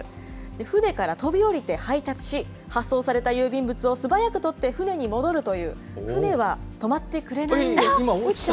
船から飛び降りて配達し、発送された郵便物を素早く取って船に戻るという、船は止まってくれないんです。